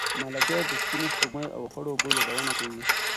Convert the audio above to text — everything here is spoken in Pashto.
ملکیار د سپینې سپوږمۍ او خړو اوبو یادونه کوي.